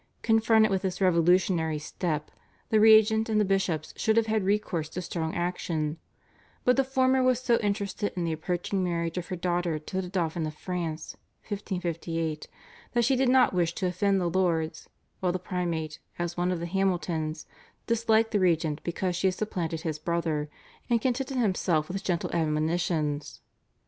Confronted with this revolutionary step, the regent and the bishops should have had recourse to strong action, but the former was so interested in the approaching marriage of her daughter to the Dauphin of France (1558) that she did not wish to offend the lords, while the primate, as one of the Hamiltons, disliked the regent because she had supplanted his brother, and contented himself with gentle admonitions.